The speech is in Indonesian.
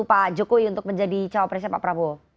pak jokowi untuk menjadi cawapresnya pak prabowo